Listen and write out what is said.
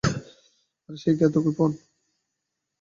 আর, সে কি এত কৃপণ।